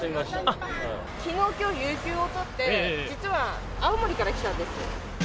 きのう、きょう有休を取って、実は青森から来たんです。